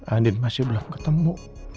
andin masih belum ketemu